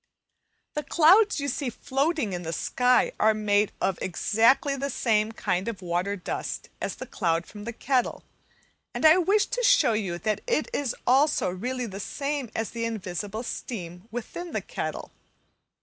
The clouds you see floating in the sky are made of exactly the same kind of water dust as the cloud from the kettle, and I wish to show you that this is also really the same as the invisible steam within the kettle.